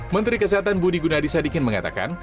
menteri kesehatan budi gunadisadikin mengatakan